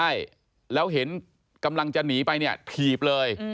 ใช่แล้วเห็นกำลังจะหนีไปเนี่ยถีบเลย